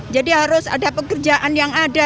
jadi harus ada pekerjaan yang ada